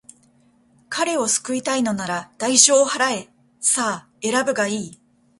彼を救いたいのなら、代償を払え。さあ、選ぶがいい。